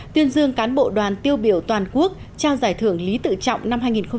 tuyên dương cán bộ đoàn tiêu biểu toàn quốc trao giải thưởng lý tự trọng năm hai nghìn một mươi chín